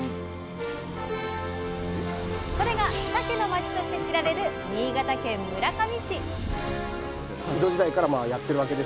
それがさけの町として知られる新潟県村上市。